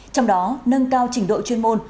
trong đó nâng cao trình độ chuyên môn